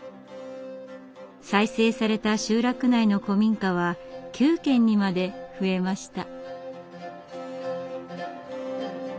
再生された集落内の古民家は９軒にまで増えました。